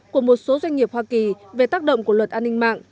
của một số doanh nghiệp hoa kỳ về tác động của luật an ninh mạng